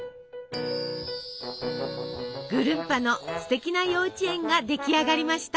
ぐるんぱのすてきな幼稚園が出来上がりました。